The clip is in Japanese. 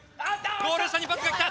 ゴール下にパスが来た！